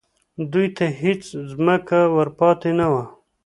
دوی ته هېڅ ځمکه ور پاتې نه وه